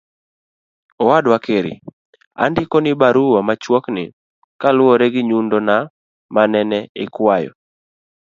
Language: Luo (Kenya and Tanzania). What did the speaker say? owadwa Kheri, andiko ni barua machuok ni kaluwore gi nyundona manene ikwayo